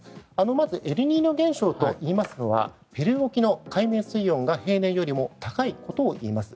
まずエルニーニョ現象というのはペルー沖の海面水温が平年よりも高いことをいいます。